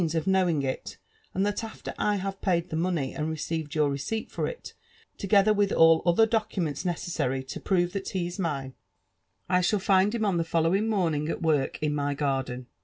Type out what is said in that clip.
of knowing it, and that after I hayo paid the money and receifed yout reoeipt for It, together with all other doeuments neoessart td prot^ that ho is nune, I shall find him on the following tnorhing al Work iA Iny garden.